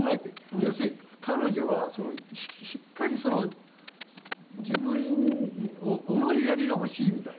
要するに彼女はしっかり自分思いやりが欲しいみたいな。